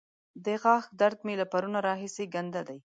د غاښ درد مې له پرونه راهسې کنده دی.